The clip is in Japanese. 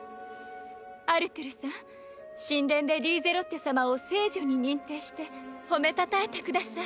アルトゥルさん神殿でリーゼロッテ様を聖女に認定して褒めたたえてください。